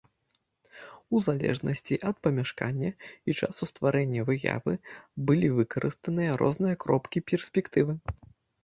У залежнасці ад памяшкання і часу стварэння выявы былі выкарыстаныя розныя кропкі перспектывы.